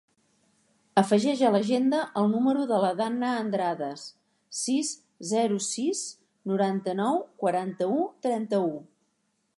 Afegeix a l'agenda el número de la Danna Andrades: sis, zero, sis, noranta-nou, quaranta-u, trenta-u.